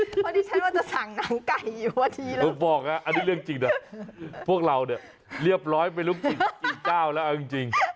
เพราะที่ฉันว่าจะสั่งหนังไก่พวกเราเนี้ยเรียบร้อยไม่รู้กี่เจ้าแล้วเอาจริงจริง